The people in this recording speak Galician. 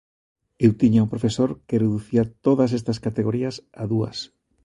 Eu tiña un profesor que reducía todas estas categorías a dúas.